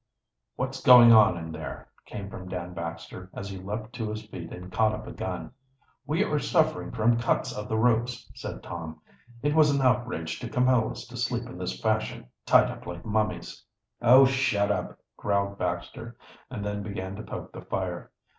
"What's going on in there?" came from Dan Baxter, as he leaped to his feet and caught up a gun. "We are suffering from cuts of the ropes," said Tom. "It was an outrage to compel us to sleep in this fashion, tied up like mummies!" "Oh, shut up!" growled Baxter, and then began to poke the fire.